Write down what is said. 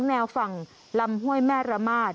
น้ำป่าเสดกิ่งไม้แม่ระมาศ